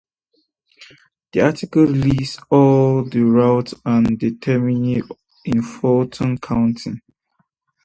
This article lists all the routes and their termini in Fulton County.